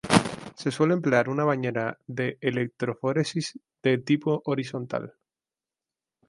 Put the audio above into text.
Se suele emplear una bañera de electroforesis de tipo horizontal.